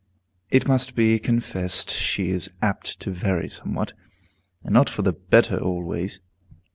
It must be confessed she is apt to vary somewhat, and not for the better always.